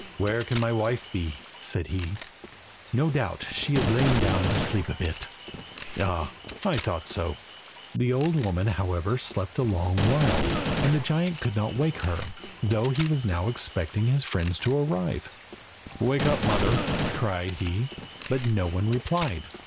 "Where can my wife be?" said he. "No doubt she has lain down to sleep a bit. Ah! I thought so." The old woman, however, slept a long while, and the giant could not wake her, though he was now expecting his friends to arrive. "Wake up, mother," cried he, but no one replied.